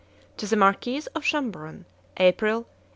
(To the Marquis of Chambrun, April, 1865.)